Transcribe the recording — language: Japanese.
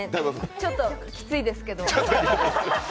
ちょっときついですけど。